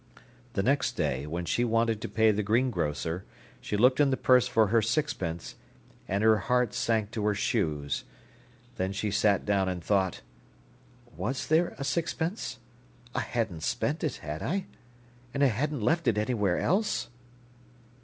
The next day, when she wanted to pay the greengrocer, she looked in the purse for her sixpence, and her heart sank to her shoes. Then she sat down and thought: "Was there a sixpence? I hadn't spent it, had I? And I hadn't left it anywhere else?"